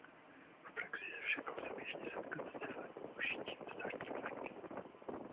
V praxi se však lze běžně setkat s civilním užitím státní vlajky.